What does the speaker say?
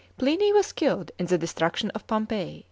Pliny was killed in the destruction of Pompeii, A.